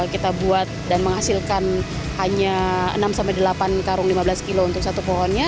kita buat dan menghasilkan hanya enam delapan karung lima belas kilo untuk satu pohonnya